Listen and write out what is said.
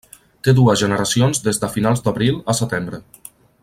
Té dues generacions des de finals d'abril a setembre.